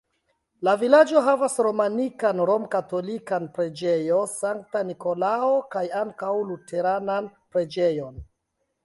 La vilaĝo havas romanikan romkatolikan preĝejon Sankta Nikolao kaj ankaŭ luteranan preĝejon.